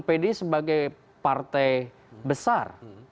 pede sebagai partai besar